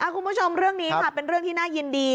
คุณผู้ชมเรื่องนี้ค่ะเป็นเรื่องที่น่ายินดี